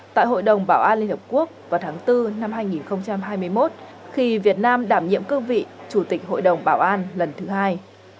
tại hội đồng bảo an liên hợp quốc vào tháng bốn năm hai nghìn hai mươi một khi việt nam đảm nhiệm cương vị chủ tịch hội đồng bảo an lần thứ hai